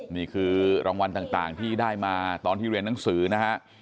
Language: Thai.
นี่คือรางวัลต่างที่ได้มาตอนที่เรียนหนังสือนะฮะ